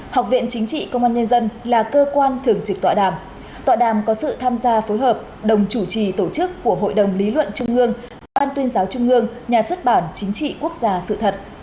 học viện chính trị công an nhân dân là cơ quan thường trực tọa đảm tọa đàm có sự tham gia phối hợp đồng chủ trì tổ chức của hội đồng lý luận trung ương ban tuyên giáo trung ương nhà xuất bản chính trị quốc gia sự thật